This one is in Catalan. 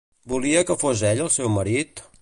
Volia que ell fos el seu marit?